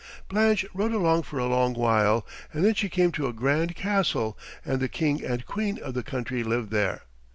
Blanche rode along for a long while, and then she came to a grand castle, and the King and Queen of the country lived there.